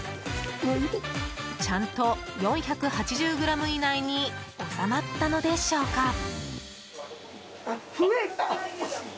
ちゃんと４８０ｇ以内に収まったのでしょうか。